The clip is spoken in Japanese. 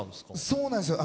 そうなんですよ。